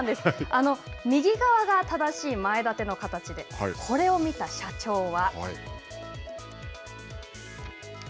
右側が正しい前立ての形でこれを見た社長は。